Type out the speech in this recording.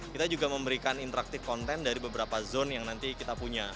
kita juga memberikan interaktif konten dari beberapa zone yang nanti kita punya